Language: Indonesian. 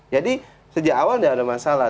jadi sejak awal nggak ada masalah